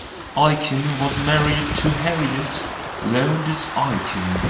Aiken was married to Harriet Lowndes Aiken.